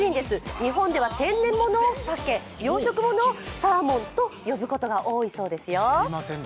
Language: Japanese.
日本では天然ものを鮭、養殖ものをサーモンと呼ぶことが多いそうですよ。